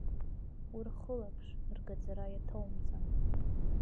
Урхылаԥш, ргаӡара иаҭоумҵан!